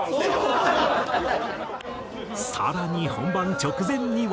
更に本番直前には。